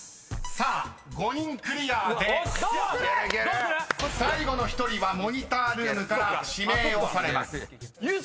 さあ５人クリアで最後の１人はモニタールームから指名をされます］